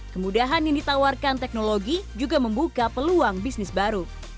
kemudahan yang ditawarkan teknologi juga membuka peluang bisnis baru